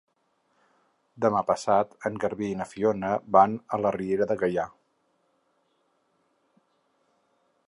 Demà passat en Garbí i na Fiona van a la Riera de Gaià.